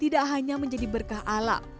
tidak hanya menjadi berkah alam